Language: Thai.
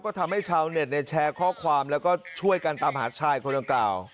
ก็ทำให้ชาวเน็ตแชร์ข้อความแล้วก็ช่วยกันตามหาชายคนดังกล่าว